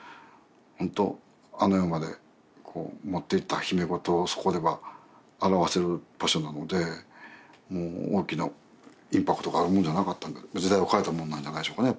ホントあの世まで持っていった秘めごとをそこでは表せる場所なので大きなインパクトがあるものじゃなかったんか時代を変えたもんなんじゃないでしょうかね